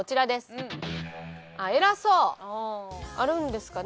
あるんですかね？